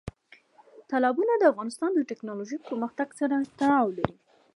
تالابونه د افغانستان د تکنالوژۍ پرمختګ سره تړاو لري.